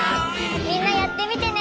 みんなやってみてね！